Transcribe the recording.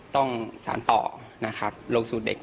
ต้องสาธารณ์ต่อโลกสูตรเด็ก